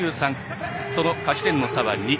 その勝ち点の差は２。